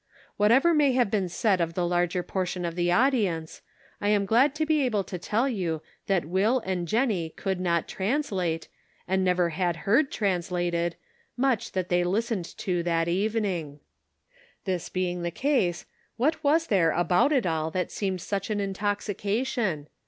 Whatever may have been said of the larger portion of the audience, I am glad to be able to tell you that Will and Jennie could not translate, and never had heard translated, much that they listened to that evening. This being the case, what was there about it all that seemed such an intoxication